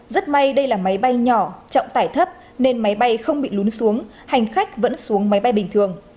rất may đây là máy bay nhỏ trọng tải thấp nên máy bay không bị lún xuống hành khách vẫn xuống máy bay bình thường